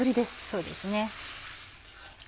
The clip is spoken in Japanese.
そうですね。